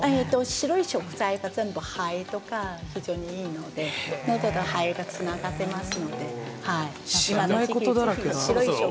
白い食材が肺とかにいいので、のどと肺がつながっています。